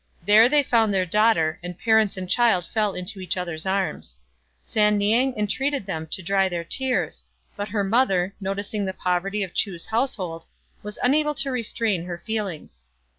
There they found their daughter, and parents and child fell into each other's arms. San niang entreated them to dry their tears ; but her mother, noticing the poverty of Chu's household, was unable to restrain her feelings.